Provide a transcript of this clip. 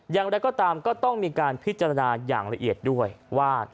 อย่างไรก็ตามก็ต้องมีการพิจารณาอย่างละเอียดด้วยว่า